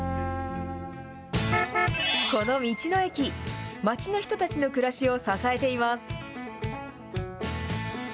この道の駅、町の人たちの暮らしを支えています。